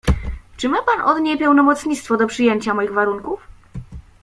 "Czy ma pan od niej pełnomocnictwo do przyjęcia moich warunków?"